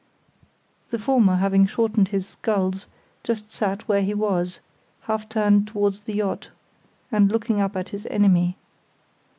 The former, having shortened his sculls, just sat where he was, half turned towards the yacht and looking up at his enemy.